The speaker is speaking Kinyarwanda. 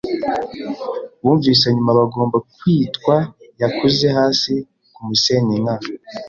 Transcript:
bumvise nyuma bagomba kwitwa - yakuze hasi kumusenyi nka